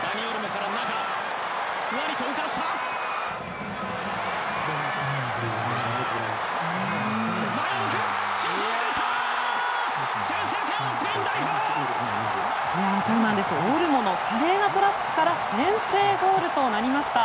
オルモの華麗なトラップから先制ゴールとなりました。